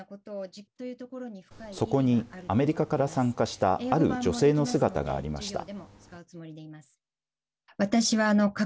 そこに、アメリカから参加したある女性の姿がありました。